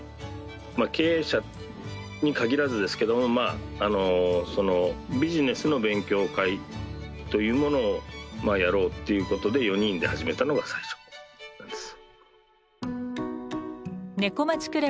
まあ経営者に限らずですけどもまああのそのビジネスの勉強会というものをまあやろうっていうことで４人で始めたのが最初なんです。